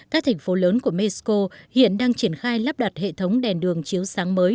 các thành phố lớn của mexico hiện đang triển khai lắp đặt hệ thống đèn đường chiếu sáng mới